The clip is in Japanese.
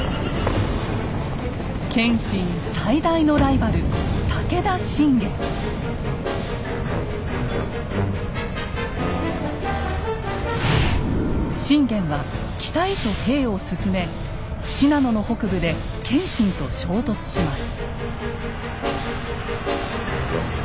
謙信最大のライバル信玄は北へと兵を進め信濃の北部で謙信と衝突します。